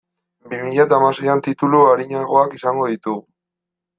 Bi mila eta hamaseian titulu arinagoak izango ditugu.